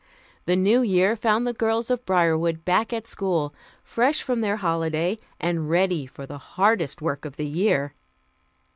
The New Year found the girls of Briarwood back at school, fresh from their holiday and ready for the hardest work of the year.